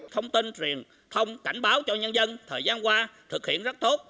thông tin truyền thông cảnh báo cho nhân dân thời gian qua thực hiện rất tốt